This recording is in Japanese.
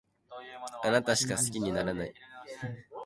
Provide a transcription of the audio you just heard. あなたしか好きにならない